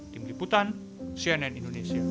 tim liputan cnn indonesia